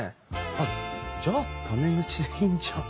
あっじゃあタメ口でいいじゃん。